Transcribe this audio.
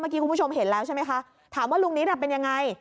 เมื่อกี้คุณผู้ชมเห็นแล้วใช่ไหมคะถามว่าลูกนิดแบบเป็นยังไง